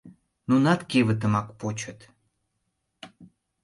Нунат кевытымак почыт.